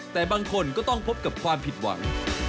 แต่บางคนก็ต้องพบกับความผิดหวัง